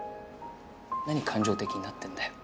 何感情的になってんだよ。